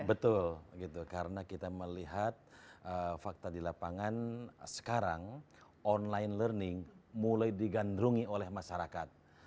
betul karena kita melihat fakta di lapangan sekarang online learning mulai digandrungi oleh masyarakat